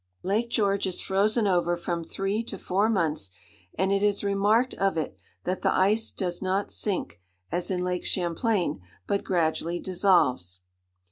Lake George is frozen over from three to four months; and it is remarked of it, that the ice does not sink, as in Lake Champlain, but gradually dissolves.